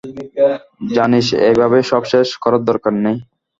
জানিস, এভাবে সব শেষ করার দরকার নেই।